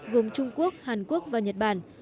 gồm trung quốc hàn quốc và nhật bản